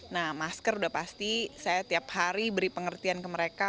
nah masker udah pasti saya tiap hari beri pengertian ke mereka